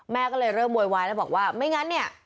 แม่ก็เลยเริ่มโวยวายแล้วบอกว่าไม่งั้นเนี่ย